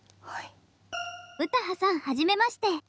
・詩羽さんはじめまして。